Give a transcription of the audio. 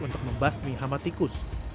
untuk membasmi hama tikus